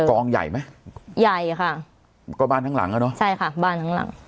กองใหญ่ไหมใหญ่ค่ะก็บ้านทั้งหลังอ่ะเนอะใช่ค่ะบ้านทั้งหลัง